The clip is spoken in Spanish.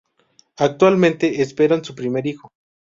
Actualmente esperan su primer hijo.